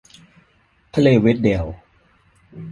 ทะเลเวดเดล